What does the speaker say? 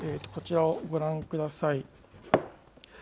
こちらをご覧ください。